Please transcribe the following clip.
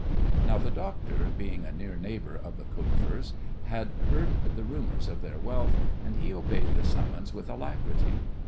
Now the doctor, being a near neighbour of the Kupfers, had heard the rumours of their wealth, and he obeyed the summons with alacrity.